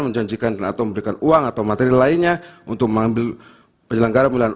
menjanjikan atau memberikan uang atau material lainnya untuk mengambil penyelenggaraan pilihan